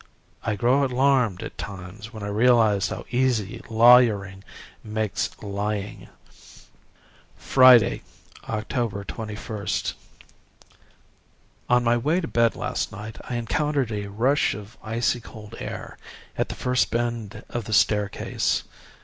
I grow alarmed at times when I realize how easy lawyering makes lying. "Friday, October 21st. On my way to bed last night I encountered a rush of icy cold air at the first bend of the staircase.